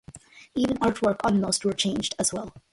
Even artwork on most were changed as well.